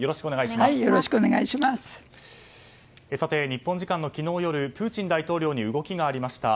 日本時間の昨日夜プーチン大統領に動きがありました。